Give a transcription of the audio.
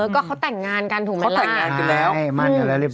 เขาแต่งงานกันนะครับ